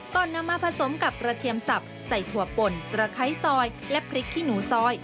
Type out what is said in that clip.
นำมาผสมกับกระเทียมสับใส่ถั่วป่นตะไคร้ซอยและพริกขี้หนูซอย